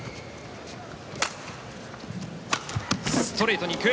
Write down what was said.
ストレートに行く。